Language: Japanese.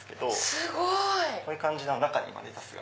すごい！こういう感じで中にレタスが。